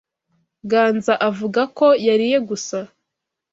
Ganza avuga ko yariye gusa.